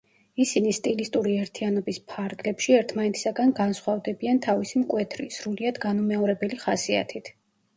ისინი სტილისტური ერთიანობის ფარგლებში ერთმანეთისაგან განსხვავდებიან თავისი მკვეთრი, სრულიად განუმეორებელი ხასიათით.